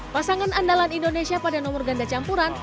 pasangan andalan indonesia pada nomor ganda campuran